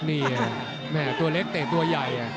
นี่แม่ตัวเล็กเตะตัวใหญ่